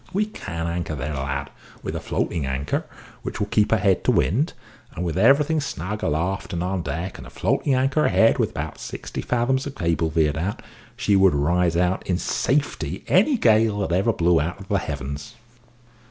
"We can anchor there, lad, with a floating anchor, which will keep her head to wind; and with everything snug aloft and on deck, and a floating anchor ahead with about sixty fathoms of cable veered out, she would ride out in safety any gale that ever blew out of the heavens."